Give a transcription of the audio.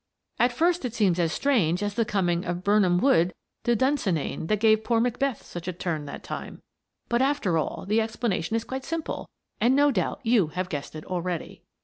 At first it seems as strange as the coming of Birnam wood to Dunsinane that gave poor Macbeth such a turn that time. But, after all, the explanation is quite simple and no doubt you have guessed it already.